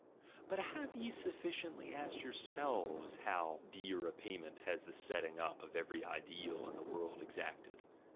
... But have ye sufficiently asked your selves how dear a payment has the setting up of every ideal in the world exacted?